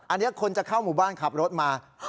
อันนี้คนจะเข้าหมู่บ้านขับรถมา